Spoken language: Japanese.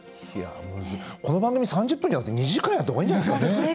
この番組、３０分じゃなくて２時間やったほうがいいんじゃないですかね。